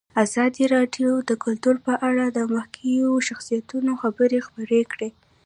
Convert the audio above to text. ازادي راډیو د کلتور په اړه د مخکښو شخصیتونو خبرې خپرې کړي.